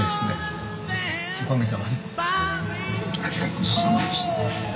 ごちそうさまでした。